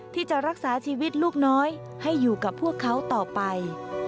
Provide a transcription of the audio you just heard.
ที่จะรักษาชีวิตลูกน้อยให้อยู่กับพวกเขาต่อไป